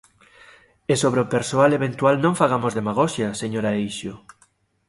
E sobre o persoal eventual non fagamos demagoxia, señora Eixo.